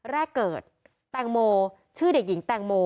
แรกเกิดแตงโมชื่อเด็กหญิงแตงโม